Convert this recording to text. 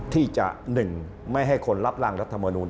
ที่จะหนึ่งไม่ให้คนรับร่างรัฐมนูล